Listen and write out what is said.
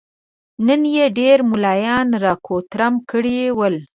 نن يې ډېر ملايان را کوترم کړي ول.